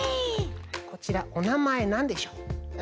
こちらおなまえなんでしょう？